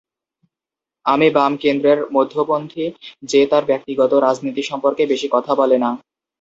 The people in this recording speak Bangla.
আমি বাম-কেন্দ্রের মধ্যপন্থী যে তার ব্যক্তিগত রাজনীতি সম্পর্কে বেশি কথা বলে না।